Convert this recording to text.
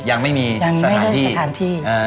ยังไม่มีสถานที่ยังไม่มีสถานที่